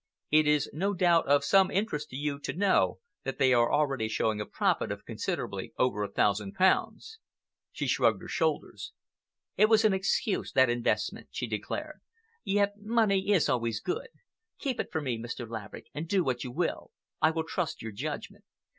It is, no doubt, of some interest to you to know that they are showing already a profit of considerably over a thousand pounds." She shrugged her shoulders. "It was an excuse—that investment," she declared. "Yet money is always good. Keep it for me, Mr. Laverick, and do what you will. I will trust your judgment.